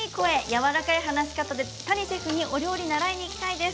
やわらかい話し方で谷シェフにお料理を習いに行きたいです。